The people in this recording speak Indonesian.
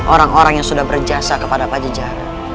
orang orang yang sudah berjasa kepada pajeja